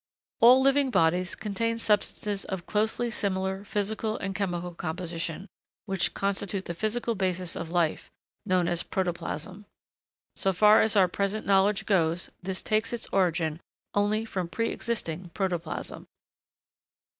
] All living bodies contain substances of closely similar physical and chemical composition, which constitute the physical basis of life, known as protoplasm. So far as our present knowledge goes, this takes its origin only from pre existing protoplasm.